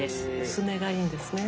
薄めがいいんですね。